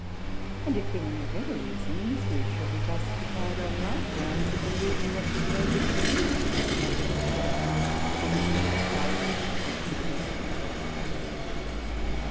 And if there were no better reasons, we should be justified, on like grounds, in believing that Globigerina is not the product of anything but vital activity.